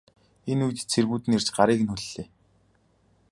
Энэ үед цэргүүд нь ирж гарыг нь хүллээ.